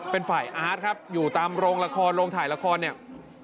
เป็นฝ่ายแอร์ตอยู่ตามโรงราคารโรงถ่ายราคาร